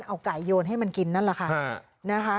เอาไก่โจรให้มันกินนั่นล่ะค่ะ